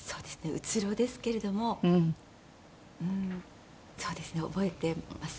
うつろですけれどもうんそうですね覚えてますね。